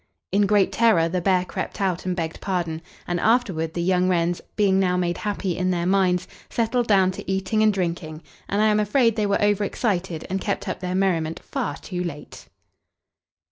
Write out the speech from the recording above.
In great terror the bear crept out and begged pardon; and afterward the young wrens, being now made happy in their minds, settled down to eating and drinking, and I am afraid they were over excited and kept up their merriment far too late.